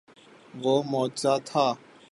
وہ معجزہ تھا۔